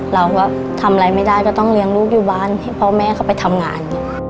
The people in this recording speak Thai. เราก็ทำอะไรไม่ได้ก็ต้องเลี้ยงลูกอยู่บ้านให้พ่อแม่เขาไปทำงาน